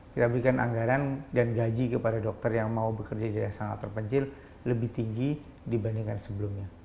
kita berikan anggaran dan gaji kepada dokter yang mau bekerja di daerah sangat terpencil lebih tinggi dibandingkan sebelumnya